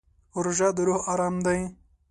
روژه د روح ارام دی.